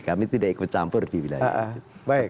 kami tidak ikut campur di wilayah itu